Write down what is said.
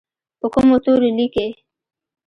په کومو تورو لیکي؟